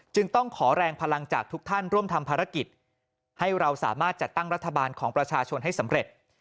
จึงต้องขอแรงพลังจากทุกท่านร่วมทำภารกิจให้เราสามารถจัดตั้งรัฐบาลของประชาชนให้สำเร็จ